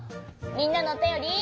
みんなのおたより。